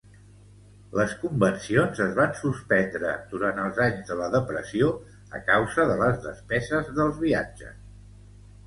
Les convencions es van suspendre durant els anys de la Depressió a causa de les despeses dels viatges.